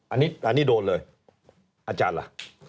อันนี้โดนเลยอาจารย์ล่ะ